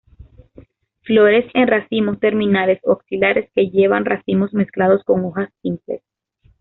Flores en racimos terminales o axilares que llevan racimos mezclados con hojas simples.